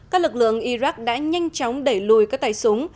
các lực lượng iraq đã nhanh chóng đẩy lùi các tài súng